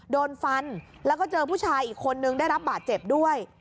โดนฟันแล้วก็เจอผู้ชายอีกคนนึงได้รับบาดเจ็บด้วย